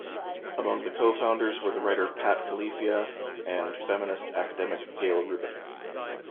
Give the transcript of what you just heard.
Among the cofounders were the writer Pat Califia and feminist academic Gayle Rubin.